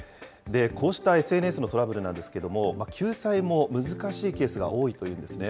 こうしたＳＮＳのトラブルなんですけれども、救済も難しいケースが多いというんですね。